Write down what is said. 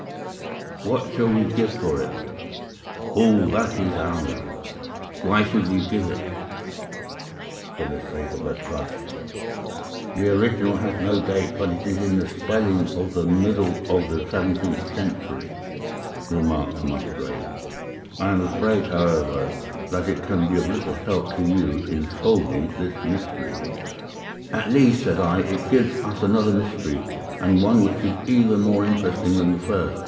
"'What shall we give for it?' "'All that is ours.' "'Why should we give it?' "'For the sake of the trust.' "'The original has no date, but is in the spelling of the middle of the seventeenth century,' remarked Musgrave. 'I am afraid, however, that it can be of little help to you in solving this mystery.' "'At least,' said I, 'it gives us another mystery, and one which is even more interesting than the first.